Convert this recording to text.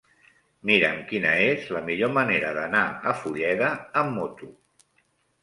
Mira'm quina és la millor manera d'anar a Fulleda amb moto.